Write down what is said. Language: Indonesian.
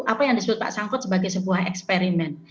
apa yang disebut pak sangkut sebagai sebuah eksperimen